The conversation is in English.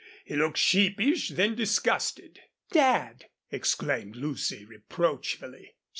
He looked sheepish, then disgusted. "Dad!" exclaimed Lucy, reproachfully.